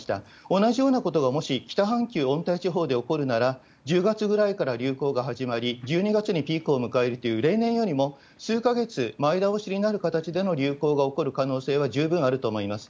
同じようなことがもし北半球、温帯地方で起こるなら、１０月ぐらいから流行が始まり、１２月にピークを迎えるという、例年よりも数か月前倒しになる形での流行が起こる可能性は十分あると思います。